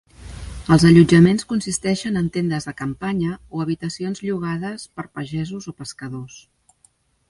Els allotjaments consisteixen en tendes de campanya o habitacions llogades per pagesos o pescadors.